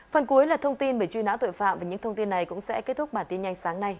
phần cuối là thông tin về truy nã tội phạm và những thông tin này cũng sẽ kết thúc bản tin nhanh sáng nay